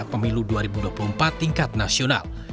pemilu dua ribu dua puluh empat tingkat nasional